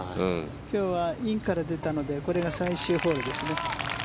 今日はインから出たのでこれが最終ホールですね。